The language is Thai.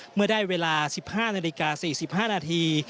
เมื่อได้เวลา๑๕นาฬิกา๔๕นาที